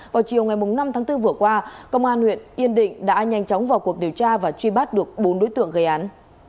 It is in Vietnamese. vào chiều ngày năm tháng bốn vừa qua công an huyện yên định đã nhanh chóng vào cuộc điều tra và truy bắt được bốn đối tượng gây án